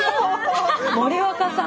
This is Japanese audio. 森若さん